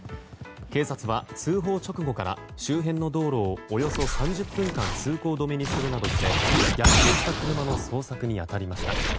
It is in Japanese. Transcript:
警察は通報直後から周辺の道路をおよそ３０分間通行止めにするなどして逆走した車の捜索に当たりました。